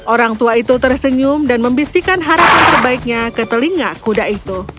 orang tua itu tersenyum dan membisikkan harapan terbaiknya ke telinga kuda itu